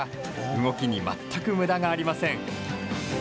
動きに全くむだがありません。